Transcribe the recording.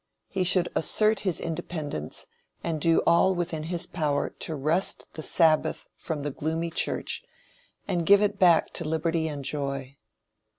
He should assert his independence, and do all within his power to wrest the sabbath from the gloomy church and give it back to liberty and joy.